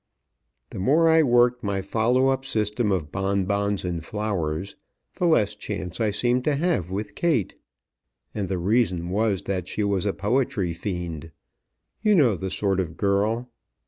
The more I worked my follow up system of bonbons and flowers, the less chance I seemed to have with Kate; and the reason was that she was a poetry fiend. You know the sort of girl.